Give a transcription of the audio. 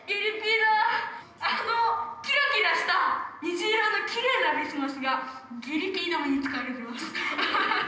あのキラキラした虹色のきれいなビスマスが下痢ピー止めに使われてますアハハッ。